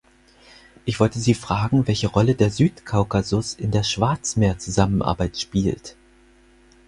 Ich wollte Sie fragen, welche Rolle der Südkaukasus in der Schwarzmeer-Zusammenarbeit spielt?